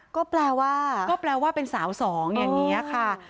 ก็แปลว่าเป็นสาวสองอย่างนี้ค่ะ